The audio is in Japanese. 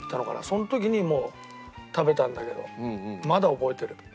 その時にもう食べたんだけどまだ覚えてる。